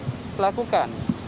bagaimana cara ini dilakukan